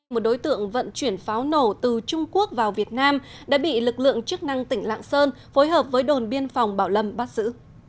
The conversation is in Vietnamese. một đối tượng vận chuyển pháo nổ từ trung quốc vào việt nam đã bị lực lượng chức năng tỉnh lạng sơn phối hợp với đồn biên phòng bảo lâm bắt giữ